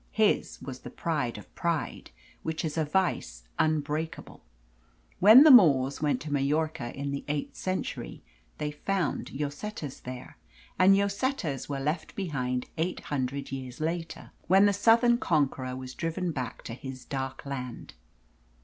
His was the pride of pride, which is a vice unbreakable. When the Moors went to Majorca in the eighth century they found Llosetas there, and Llosetas were left behind eight hundred years later, when the southern conqueror was driven back to his dark land.